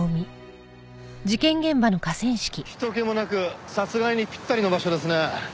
人けもなく殺害にぴったりの場所ですね。